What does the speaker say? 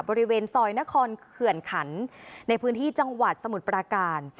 บริเวณซอยนครเขื่อนขันในพื้นที่จังหวัดสมุทรปราการ